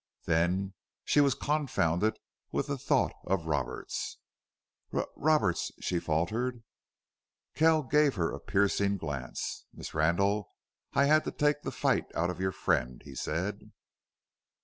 Then she was confounded with the thought of Roberts. "Ro Roberts?" she faltered. Kells gave her a piercing glance. "Miss Randle, I had to take the fight out of your friend," he said.